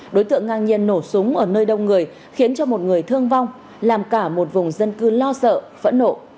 đối tượng ngang nhiên nổ súng ở nơi đông người khiến cho một người thương vong làm cả một vùng dân cư lo sợ phẫn nộ